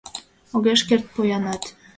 Огеш керт поянат.